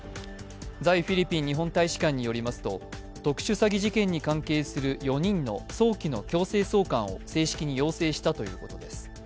在フィリピン日本大使館によりますと、特殊詐欺事件に関係する４人の早期の強制送還を正式に要請したということです。